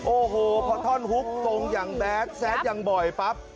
โอ้โหพอท่อนฮุกตรงอย่างแบดแซดอย่างบ่อยปั๊บ